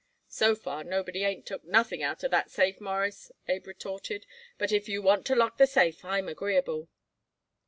"So far, nobody ain't took nothing out of that safe, Mawruss," Abe retorted; "but if you want to lock the safe I'm agreeable."